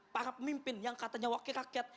para pemimpin yang katanya wakil rakyat